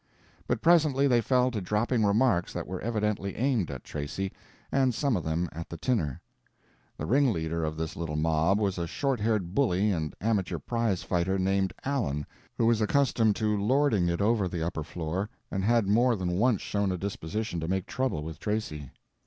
But presently they fell to dropping remarks that were evidently aimed at Tracy, and some of them at the tinner. The ringleader of this little mob was a short haired bully and amateur prize fighter named Allen, who was accustomed to lording it over the upper floor, and had more than once shown a disposition to make trouble with Tracy.